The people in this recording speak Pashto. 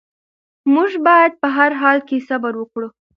موږ باید په هر حال کې صبر وکړو.